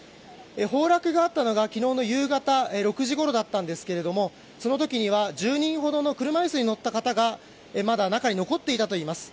崩落があったのが昨日の夕方６時ごろだったんですがその時は１０人ほどの車椅子に乗った方がまだ中に残っていたといいます。